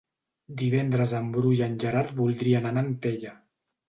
Divendres en Bru i en Gerard voldrien anar a Antella.